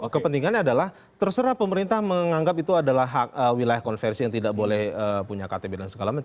kepentingannya adalah terserah pemerintah menganggap itu adalah hak wilayah konversi yang tidak boleh punya ktp dan segala macam